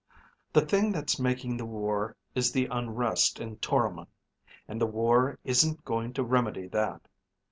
The thing that's making the war is the unrest in Toromon. And the war isn't going to remedy that.